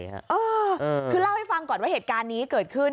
เออคือเล่าให้ฟังก่อนว่าเหตุการณ์นี้เกิดขึ้น